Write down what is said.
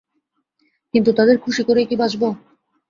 কিন্তু তাদের খুশি করেই কি বাঁচব?